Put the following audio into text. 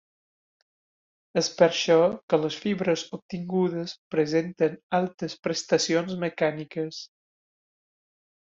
És per això que les fibres obtingudes presenten altes prestacions mecàniques.